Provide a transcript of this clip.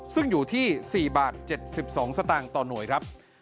ซึ่งอยู่ที่๔บาท๗๒สตางค์ต่อหน่วยครับ